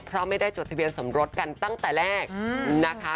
เพราะไม่ได้จดทะเบียนสมรสกันตั้งแต่แรกนะคะ